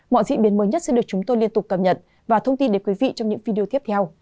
mọi diễn biến mới nhất sẽ được chúng tôi liên tục cập nhật và thông tin đến quý vị trong những video tiếp theo